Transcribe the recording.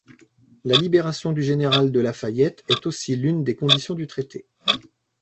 La libération du général de La Fayette est aussi l'une des conditions du traité.